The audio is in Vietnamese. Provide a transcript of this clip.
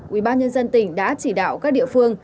ubnd tỉnh đã chỉ đạo các địa phương